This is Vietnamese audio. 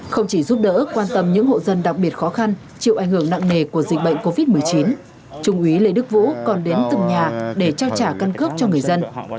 không chỉ giúp đỡ quan tâm những hộ dân đặc biệt khó khăn chịu ảnh hưởng nặng nề của dịch bệnh covid một mươi chín trung úy lê đức vũ còn đến từng nhà để trao trả căn cước cho người dân